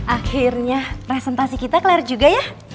akhirnya presentasi kita kelar juga ya